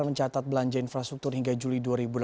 mencatat belanja infrastruktur hingga juli dua ribu delapan belas